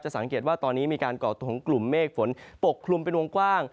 สังเกตว่าตอนนี้มีการก่อตัวของกลุ่มเมฆฝนปกคลุมเป็นวงกว้าง